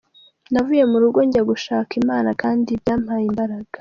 Navuye mu rugo njya gushaka Imana kandi byampaye imbaraga.